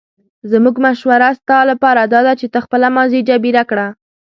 زموږ مشوره ستا لپاره داده چې ته خپله ماضي جبیره کړه.